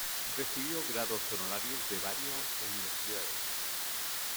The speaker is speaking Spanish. Recibió grados honorarios de varias universidades.